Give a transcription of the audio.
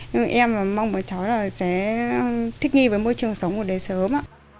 nhưng mà em mong cháu sẽ thích nghi với môi trường sống của đời sớm